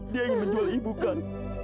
dia ingin menjual ibu kan